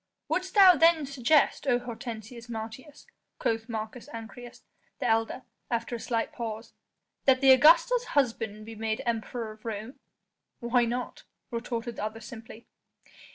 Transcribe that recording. "Wouldst thou then suggest, O Hortensius Martius," quoth Marcus Ancyrus, the elder, after a slight pause, "that the Augusta's husband be made Emperor of Rome?" "Why not?" retorted the other simply.